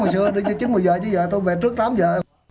hồi xưa đi chứ chín một mươi giờ chứ giờ tôi về trước tám giờ